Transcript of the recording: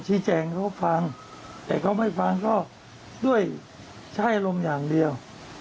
ชี้แจงเขาฟังแต่เขาไม่ฟังก็ด้วยใช้อารมณ์อย่างเดียว